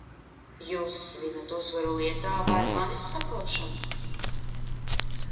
Jūs svinat uzvaru lietā vai manis sakaušanu?